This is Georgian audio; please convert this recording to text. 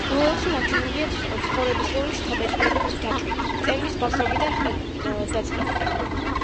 ნოველაში ნაჩვენებია ცხოვრებისეული შთაბეჭდილებების ჯაჭვი, მწერლის ბავშვობიდან დაწყებული.